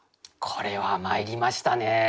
これは参りましたね。